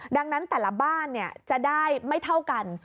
ดังนั้นแต่ละบ้านจะได้ไม่เท่ากัน